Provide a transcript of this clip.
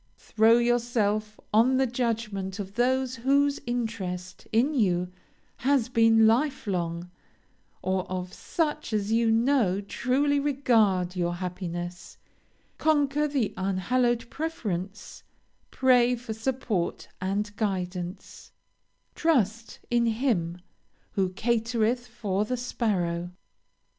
Throw yourself on the judgment of those whose interest in you has been life long, or of such as you know truly regard your happiness; conquer the unhallowed preference; pray for support and guidance; trust in Him who 'catereth for the sparrow.'